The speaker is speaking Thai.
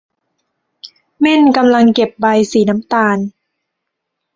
เม่นกำลังเก็บใบสีน้ำตาล